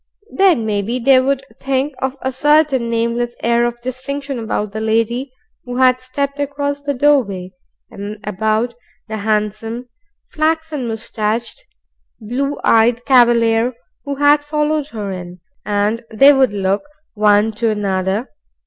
Then, maybe, they would think of a certain nameless air of distinction about the lady who had stepped across the doorway, and about the handsome, flaxen moustached, blue eyed Cavalier who had followed her in, and they would look one to another.